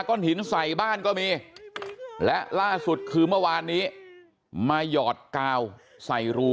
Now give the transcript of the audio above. ้นหินใส่บ้านก็มีและล่าสุดคือเมื่อวานนี้มาหยอดกาวใส่รู